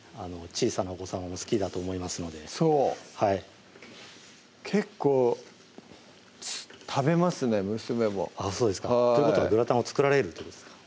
小さなお子さんお好きだと思いますのでそうはい結構食べますね娘もそうですかということはグラタンを作られるということですか？